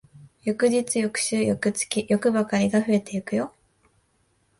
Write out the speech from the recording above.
翌日、翌週、翌月、欲ばかりが増えてくよ。